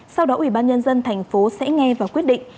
sau đó ubnd tp hcm sẽ nghe và quyết định